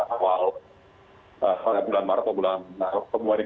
awal bulan maret atau bulan maret kemarin